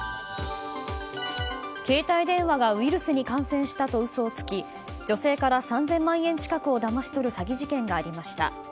携帯電話がウイルスに感染したと嘘をつき女性から３０００万円近くをだまし取る詐欺事件がありました。